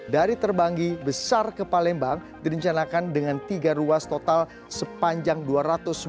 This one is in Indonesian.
dari terbangi besar ke palembang direncanakan dengan tiga ruas total sepanjang dua ratus sembilan belas km